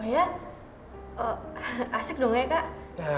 oh iya asik dong ya kak